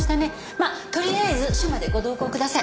まあとりあえず署までご同行ください。